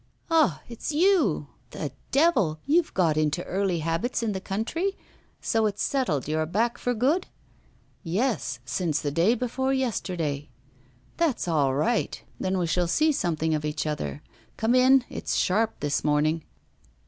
Ah! it's you. The devil! you've got into early habits in the country. So it's settled you are back for good?' 'Yes; since the day before yesterday.' 'That's all right. Then we shall see something of each other. Come in; it's sharp this morning.